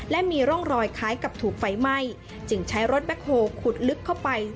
และมีร่องรอยคล้ายกับถูกไฟไหม้จึงใช้รถแบ็คโฮลขุดลึกเข้าไป